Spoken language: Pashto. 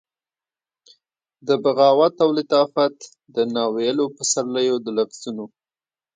د بغاوت او لطافت د ناویلو پسرلیو د لفظونو،